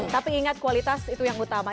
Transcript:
tapi ingat kualitas itu yang utama